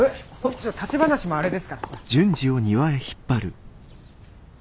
立ち話もあれですから。